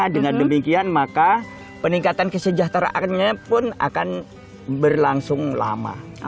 dengan demikian maka peningkatan kesejahteraannya pun akan berlangsung lama